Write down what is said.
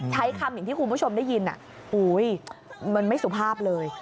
ใช้คำอย่างที่คุณผู้ชมได้ยินมันไม่สุภาพเลย